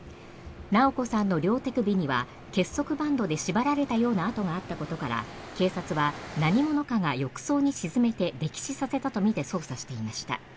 直子さんの両手首には結束バンドで縛られたような痕があったことから警察は何者かが浴槽に沈めて溺死させたとみて捜査していました。